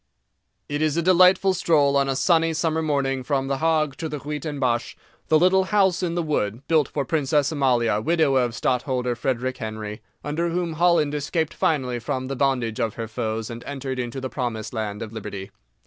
IT is a delightful stroll on a sunny summer morning from the Hague to the Huis ten Bosch, the little "house in the wood," built for Princess Amalia, widow of Stadtholter Frederick Henry, under whom Holland escaped finally from the bondage of her foes and entered into the promised land of Liberty.